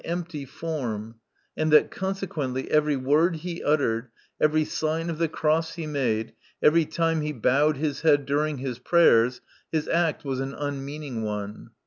empty form, and that consequently every word he" : uttered, every sign of the cross he made, ev'*v time he bowed his head during his prayers, his act was an unmeaning one.